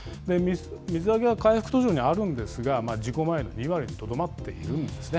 水揚げは回復途上にあるんですが、事故前の２割にとどまっているんですね。